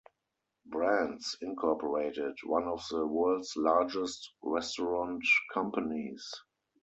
Brands, Incorporated one of the world's largest restaurant companies.